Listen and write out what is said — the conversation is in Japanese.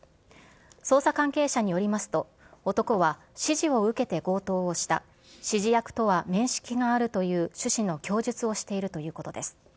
捜査関係者によりますと、男は指示を受けて強盗をした、指示役とは面識があるという趣旨の供述をしているということです。